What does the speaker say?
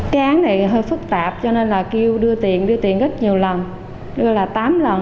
cá này hơi phức tạp cho nên là kêu đưa tiền đưa tiền rất nhiều lần đưa là tám lần